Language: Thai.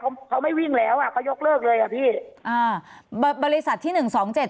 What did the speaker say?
เขาเขาไม่วิ่งแล้วอ่ะเขายกเลิกเลยอ่ะพี่อ่าบริษัทที่หนึ่งสองเจ็ด